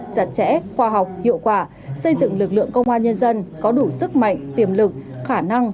chặt chẽ khoa học hiệu quả xây dựng lực lượng công an nhân dân có đủ sức mạnh tiềm lực khả năng